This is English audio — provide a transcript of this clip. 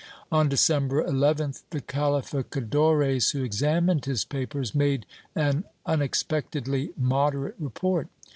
On December 11th the calificadores who examined his papers made an unexpectedly moderate report.